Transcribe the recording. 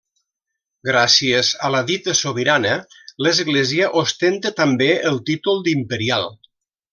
Gràcies a la dita sobirana l'església ostenta també el títol d'imperial.